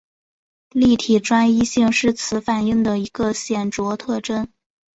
立体专一性是此反应的一个显着特征。